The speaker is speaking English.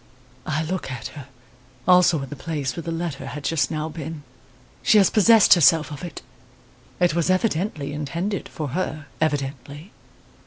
I look at her, also at the place where the letter had just now been. She has possessed herself of it; it was evidently intended for her evidently.